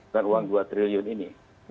dan uang dua triliun ini